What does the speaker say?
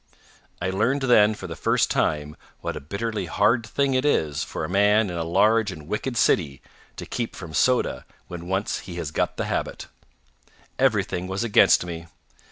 I learned then for the first time what a bitterly hard thing it is for a man in a large and wicked city to keep from soda when once he has got the habit. Everything was against me.